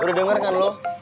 udah denger kan lo